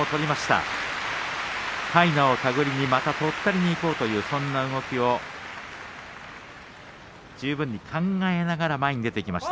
かいなを手繰り、またとったりにいこうというそんな動きを十分に考えながら前に出ていきました